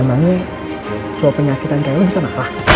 emangnya cowok penyakitan kayak lo bisa marah